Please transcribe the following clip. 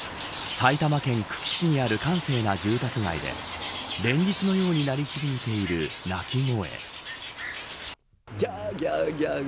埼玉県久喜市にある閑静な住宅街で連日のように鳴り響いている鳴き声。